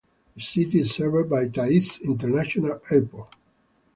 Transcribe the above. The city is served by Ta'izz International Airport.